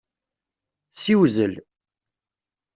Ssiwzel.